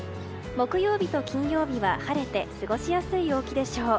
木曜日と金曜日は晴れて過ごしやすい陽気でしょう。